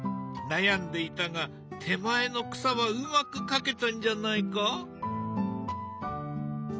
悩んでいたが手前の草はうまく描けたんじゃないか？